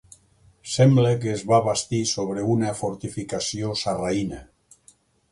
Sembla que es va bastir sobre una fortificació sarraïna.